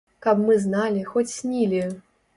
Каб мы зналі, хоць снілі!